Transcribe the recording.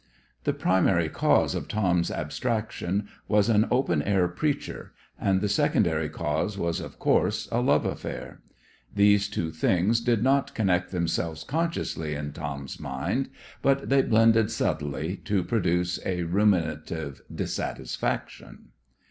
The primary cause of Tom's abstraction was an open air preacher, and the secondary cause was, of course, a love affair. These two things did not connect themselves consciously in Tom's mind, but they blended subtly to produce a ruminative dissatisfaction.